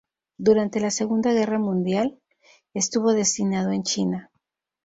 Durante la Segunda Guerra Mundial, estuvo destinado en China.